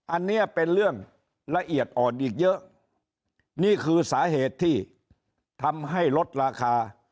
อันนี้เป็นเรื่องละเอียดอ่อนอีกเยอะนี่คือสาเหตุที่ทำให้ลดราคา